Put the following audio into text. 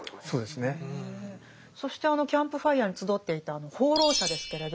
そしてあのキャンプファイヤーに集っていた放浪者ですけれど。